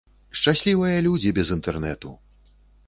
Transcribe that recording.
Шчаслівыя людзі без інтэрнэту!